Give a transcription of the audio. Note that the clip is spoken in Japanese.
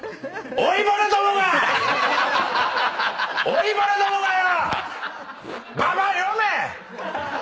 老いぼれどもがよ！